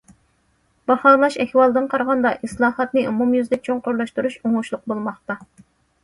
باھالاش ئەھۋالىدىن قارىغاندا، ئىسلاھاتنى ئومۇميۈزلۈك چوڭقۇرلاشتۇرۇش ئوڭۇشلۇق بولماقتا.